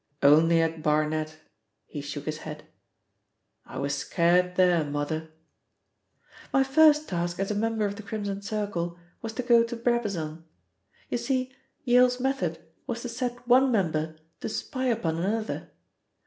"Only at Barnet," he shook his head. "I was scared there, Mother." "My first task as a member of the Crimson Circle was to go to Brabazon. You see, Yale's method was to set one member to spy upon another.